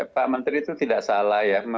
pak menteri itu tidak salah ya